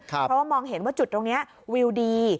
เพราะว่ามองเห็นว่าจุดตรงนี้วิวดี